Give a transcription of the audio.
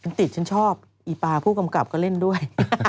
ติดฉันชอบอีปาผู้กำกับก็เล่นด้วย